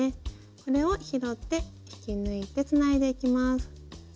これを拾って引き抜いてつないでいきます。